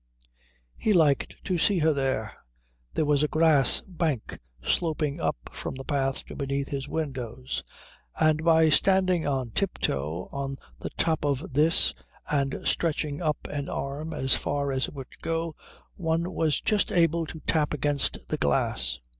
He liked to see her there. There was a grass bank sloping up from the path to beneath his windows, and by standing on tip toe on the top of this and stretching up an arm as far as it would go one was just able to tap against the glass.